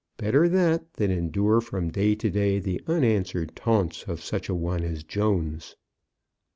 Better that, than endure from day to day the unanswered taunts of such a one as Jones!